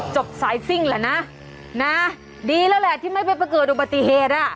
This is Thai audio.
จบสายซิ่งแหละน่ะน่ะดีแล้วแหละที่ไม่เป็นประเกตอุปติเหตุอ่ะ